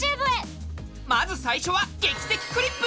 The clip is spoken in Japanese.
まず最初は「劇的クリップ」！